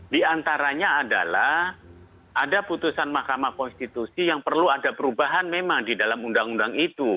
di antaranya adalah ada putusan mahkamah konstitusi yang perlu ada perubahan memang di dalam undang undang itu